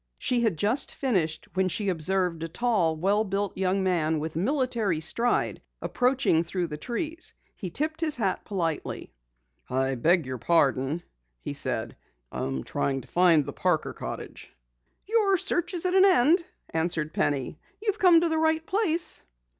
She had just finished when she observed a tall, well built young man with military stride, approaching through the trees. He tipped his hat politely. "I beg your pardon," he said, "I am trying to find the Parker cottage." "Your search is at an end," answered Penny. "You've come to the right place."